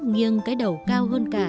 nghiêng cái đầu cao hơn cả